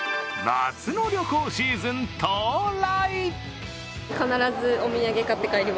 夏の旅行シーズン、到来。